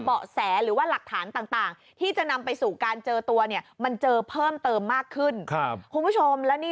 แสหรือว่าหลักฐานต่างที่จะนำไปสู่การเจอตัวเนี่ยมันเจอเพิ่มเติมมากขึ้นครับคุณผู้ชมแล้วนี่